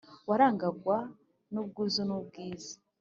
Warangwaga n'ubwuzu n'ubwiza